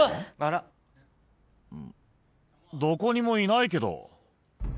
どこにもいないけど？